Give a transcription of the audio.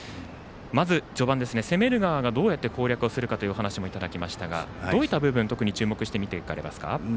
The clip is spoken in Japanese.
まず、序盤ですが攻める側がどうやって攻略するかというお話をいただきましたがどういった部分、注目して見ていかれますか？